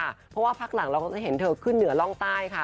เพราะว่าพักหลังเราก็จะเห็นเธอขึ้นเหนือร่องใต้ค่ะ